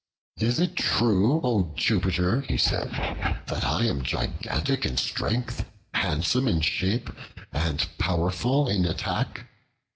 "It is true, O Jupiter!" he said, "that I am gigantic in strength, handsome in shape, and powerful in attack.